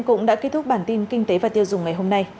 cũng đã kết thúc bản tin kinh tế và tiêu dùng ngày hôm nay